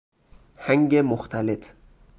هنگ مختلط